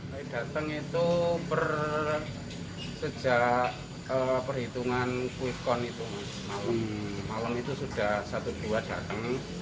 pada datang itu sejak perhitungan kuitkon itu malam itu sudah satu dua datang